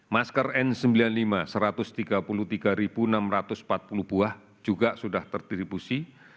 masker n sembilan puluh lima satu ratus tiga puluh tiga enam ratus empat puluh buah juga sudah terdistribusi